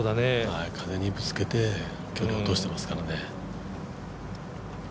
風にぶつけて距離落としてますからね。